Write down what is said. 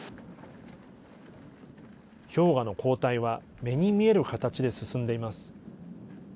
氷河の後退は目に見える形で進んでいます。